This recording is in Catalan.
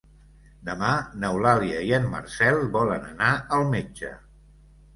Demà n'Eulàlia i en Marcel volen anar al metge.